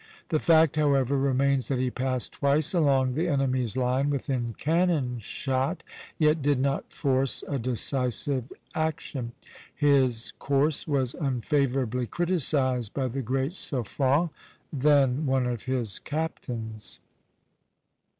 The fact, however, remains that he passed twice along the enemy's line within cannon shot, yet did not force a decisive action. His course was unfavorably criticised by the great Suffren, then one of his captains.